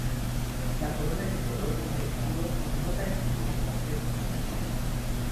La corona es de color gris oscuro, no tan impresionantes como en los machos.